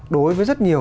đối với rất nhiều